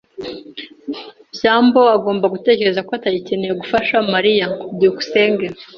byambo agomba gutekereza ko atagikeneye gufasha Mariya. byukusenge